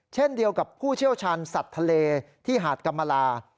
เช่นเดียวกับผู้เชี่ยวชาญสัตว์ทะเลที่หาดกรรมลา